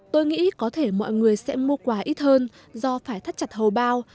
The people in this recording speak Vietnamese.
tôi nghĩ có thể mọi người sẽ mua quà ít hơn do phải thắt chặt hầu bao